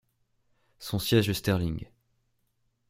Son siège est Sterling.